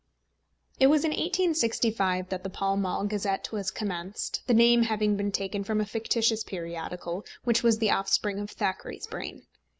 It was in 1865 that the Pall Mall Gazette was commenced, the name having been taken from a fictitious periodical, which was the offspring of Thackeray's brain.